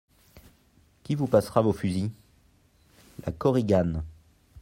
Qui vous passera vos fusils ? LA KORIGANE.